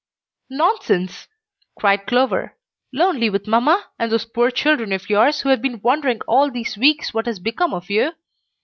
"Nonsense!" cried Clover. "Lonely with mamma, and those poor children of yours who have been wondering all these weeks what has become of you!